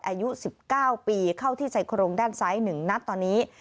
อายุ๑๙ปีเข้าที่ชายโครงด้านซ้าย๑นัดตอนนี้